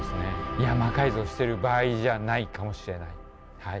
いや魔改造してる場合じゃないかもしれないはい。